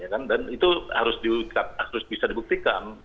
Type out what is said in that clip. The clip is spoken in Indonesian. dan itu harus bisa dibuktikan